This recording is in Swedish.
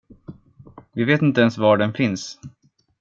Vi vet inte ens var den finns.